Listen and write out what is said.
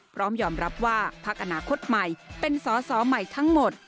พร้อมยอมรับว่าพักอนาคตใหม่เป็นสอสอใหม่ทั้งหมด